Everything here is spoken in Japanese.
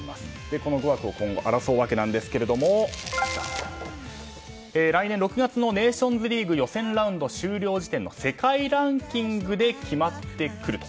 この５枠を今後争うわけですが来年６月のネーションズリーグ予選ラウンド終了時点の世界ランキングで決まってくると。